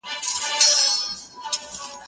زه به سبا ونې ته اوبه ورکوم؟